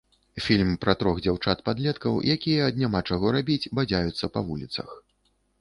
Фільм пра трох дзяўчат-падлеткаў, якія ад няма чаго рабіць бадзяюцца па вуліцах.